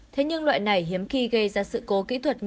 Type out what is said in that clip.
thế nhưng loại này hiếm khi gây ra sự kết thúc